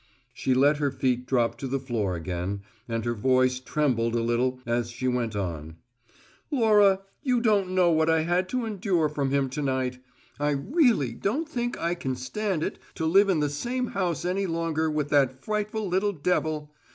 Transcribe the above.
She let her feet drop to the floor again, and her voice trembled a little as she went on: "Laura, you don't know what I had to endure from him to night. I really don't think I can stand it to live in the same house any longer with that frightful little devil.